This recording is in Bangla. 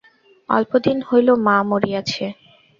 অল্পদিন হইল মা মরিয়াছে।